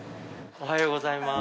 おはようございます。